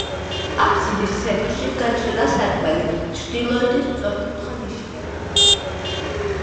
აბსიდის ცენტრში გაჭრილია სარკმელი, ჩრდილოეთით სწორკუთხა ნიშია.